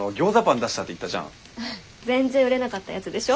全然売れなかったやつでしょ？